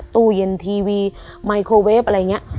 ตู้เย็นทีวีไมโครเวฟอะไรอย่างนี้